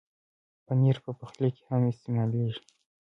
پنېر په پخلي کې هم استعمالېږي.